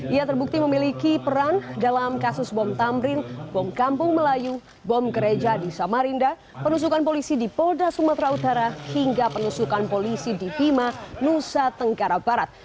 ia terbukti memiliki peran dalam kasus bom tamrin bom kampung melayu bom gereja di samarinda penusukan polisi di polda sumatera utara hingga penusukan polisi di bima nusa tenggara barat